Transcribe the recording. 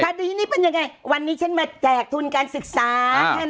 คดีนี้เป็นยังไงวันนี้ฉันมาแจกทุนการศึกษา